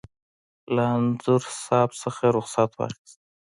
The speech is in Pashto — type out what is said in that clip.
له انځور صاحب څخه رخصت واخیست.